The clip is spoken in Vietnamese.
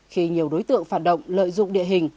khi nhiều đối tượng phản động lợi dụng địa hình